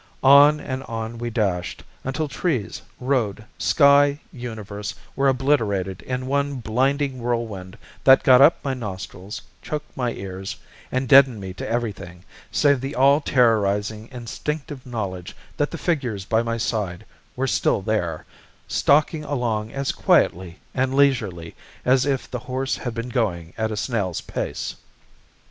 On and on we dashed, until trees, road, sky, universe were obliterated in one blinding whirlwind that got up my nostrils, choked my ears, and deadened me to everything, save the all terrorizing, instinctive knowledge, that the figures by my side, were still there, stalking along as quietly and leisurely as if the horse had been going at a snail's pace.